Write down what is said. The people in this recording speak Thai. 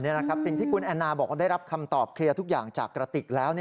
สิ่งที่คุณแอนนาบอกว่าได้รับคำตอบเคลียร์ทุกอย่างจากกระติกแล้ว